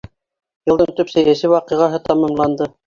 Йылдың төп сәйәси ваҡиғаһы тамамланды.